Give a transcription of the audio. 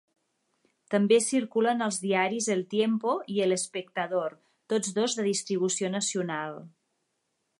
També circulen els diaris "El Tiempo" i "El Espectador", tots dos de distribució nacional.